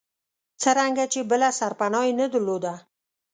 څرنګه چې بله سرپناه یې نه درلوده.